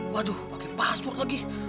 waduh pakai password lagi